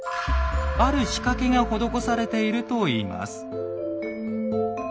ある仕掛けが施されているといいます。